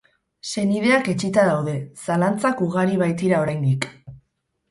Senideak etsita daude, zalantzak ugari baitira oraindik.